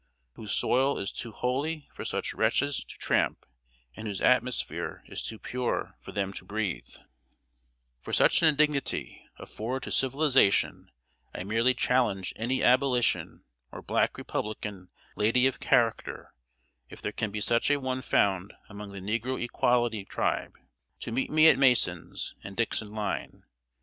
Whose soil is too holy for such wretches to tramp And whose atmosphere is to pure for them to breathe "For such an indignity afford to Civilization I Merely Challenge any abolition or Black Republican lady of character if there can be such a one found among the negro equality tribe. To Meet Me at Masons and dixon line.